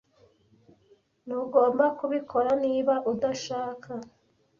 Ntugomba kubikora niba udashaka.